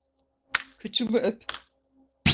Kıçımı öp!